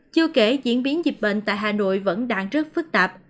chưa kể diễn biến dịch bệnh tại hà nội vẫn đang rất phức tạp